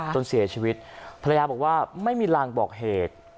จนเสียชีวิตภรรยาบอกว่าไม่มีรางบอกเหตุ